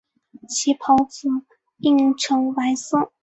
其孢子印呈白色。